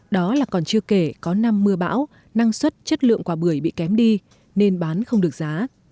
đó là còn chưa kể có năm mưa bão năng suất chất lượng quả bưởi bị kém đi nên bán không được giá